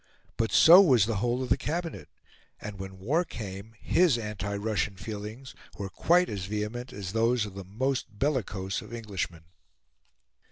But so was the whole of the Cabinet; and, when war came, his anti Russian feelings were quite as vehement as those of the most bellicose of Englishmen.